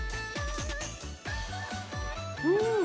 うん！